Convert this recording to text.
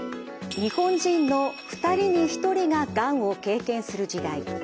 日本人の２人に１人ががんを経験する時代。